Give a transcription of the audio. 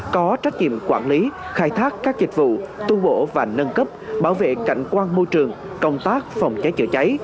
có trách nhiệm quản lý khai thác các dịch vụ tu bổ và nâng cấp bảo vệ cảnh quan môi trường công tác phòng cháy chữa cháy